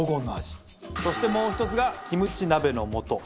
そしてもう１つがキムチ鍋の素。